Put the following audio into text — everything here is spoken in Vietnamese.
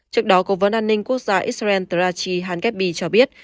trước đó cố vấn an ninh quốc gia israel teraci hangebi cho biết